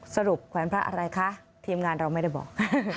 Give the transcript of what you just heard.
แขวนพระอะไรคะทีมงานเราไม่ได้บอก